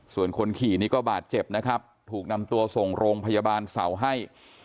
ส่วนคนขี่นี่ก็บาดเจ็บนะครับถูกนำตัวส่งโรงพยาบาลเสาให้